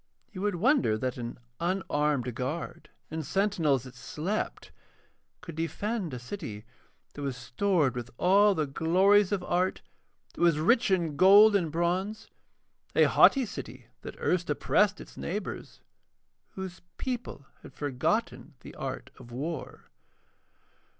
You would wonder that an unarmed guard and sentinels that slept could defend a city that was stored with all the glories of art, that was rich in gold and bronze, a haughty city that had erst oppressed its neighbours, whose people had forgotten the art of war.